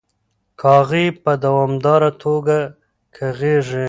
کاغۍ په دوامداره توګه کغیږي.